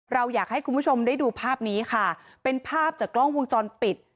เราอยากให้คุณผู้ชมได้ดูภาพนี้ค่ะเป็นภาพจากกล้องวงจรปิด